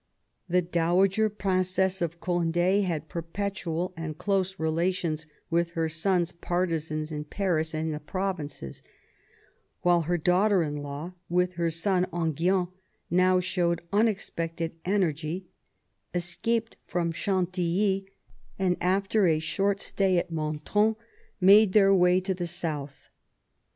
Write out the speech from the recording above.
The dowager Princess of Cond^ had perpetual and close relations with her son's partisans in Paris and the provinces; while her daughter in law, with her son Enghien, now showed unexpected energy, escaped from Ghantilly, and after a short stay at Montrond, made their way to the south.